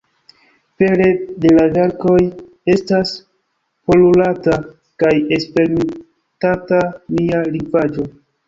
Pere de la verkoj estas polurata kaj eksperimentata nia lingvaĵo.